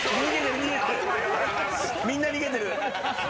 みんな逃げてる。